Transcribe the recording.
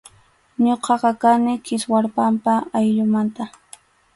Ñuqaqa kani Kiswarpampa ayllumanta.